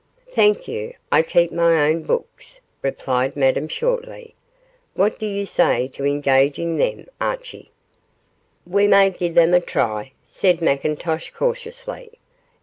'Thank you, I keep my own books,' replied Madame, shortly. 'What do you say to engaging them, Archie?' 'We ma gie them a try,' said McIntosh, cautiously.